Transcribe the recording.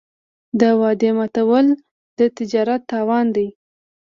د وعدې ماتول د تجارت تاوان دی.